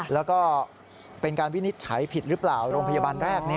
แล้วก็เป็นการวินิจฉัยผิดหรือเปล่าโรงพยาบาลแรก